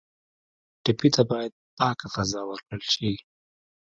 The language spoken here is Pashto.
ټپي ته باید پاکه فضا ورکړل شي.